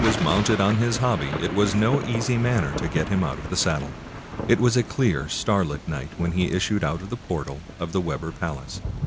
209 American Mystery Stories mounted on his liobby/ it was no easy manner to get him out of the saddle. It was a clear, starlight night when he issued out of the portal of the Webber palace.